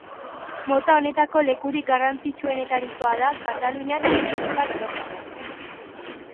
Mota honetako lekurik garrantzitsuenetarikoa da Katalunian eta Europan orokorrean.